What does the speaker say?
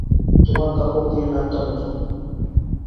তোমার কাপড় দিয়ে নাকটা মুছব।